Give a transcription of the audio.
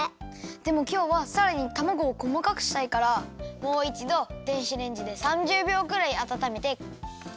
でもきょうはさらにたまごをこまかくしたいからもういちど電子レンジで３０びょうくらいあたためて。